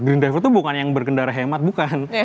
green driver itu bukan yang berkendara hemat bukan